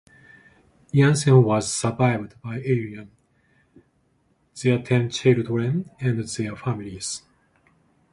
Jansen was survived by Eileen, their ten children and their families.